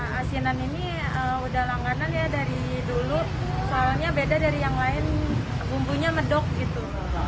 asinan ini udah langganan ya dari dulu soalnya beda dari yang lain bumbunya medok gitu